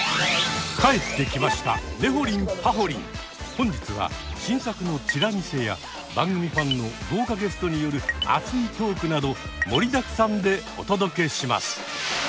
本日は新作のチラ見せや番組ファンの豪華ゲストによる熱いトークなど盛りだくさんでお届けします！